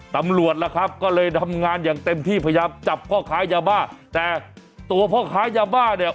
ตำรวจล่ะครับก็เลยทำงานอย่างเต็มที่พยายามจับพ่อค้ายาบ้าแต่ตัวพ่อค้ายาบ้าเนี่ย